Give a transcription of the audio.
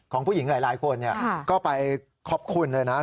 ของผู้หญิงหลายคนก็ไปขอบคุณเลยนะ